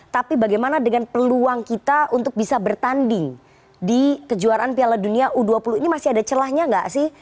tapi bagaimana dengan peluang kita untuk bisa bertanding di kejuaraan piala dunia u dua puluh ini masih ada celahnya nggak sih